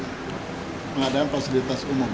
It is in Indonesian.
pengadaan fasilitas umum